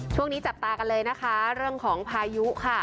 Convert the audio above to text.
ช่วงนี้จับตากันเลยนะคะเรื่องของพายุค่ะ